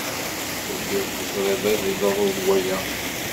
Tellid teẓrid ad yeḍru waya.